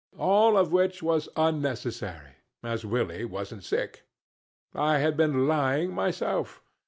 All of which was unnecessary, as Willie wasn't sick; I had been lying myself.